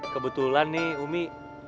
kebetulan nih umi